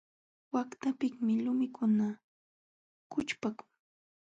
Waqtapiqmi lumikuna kućhpamun.